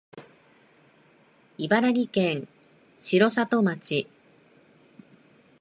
茨城県城里町